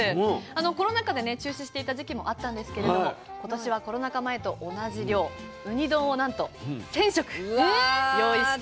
コロナ禍でね中止していた時期もあったんですけれども今年はコロナ禍前と同じ量ウニ丼をなんと１，０００食用意して。